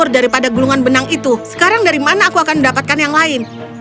dia akan mati